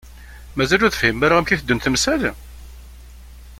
Mazal ur tefhimem ara amek i teddunt temsal?